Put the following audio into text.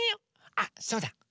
あっそうだ。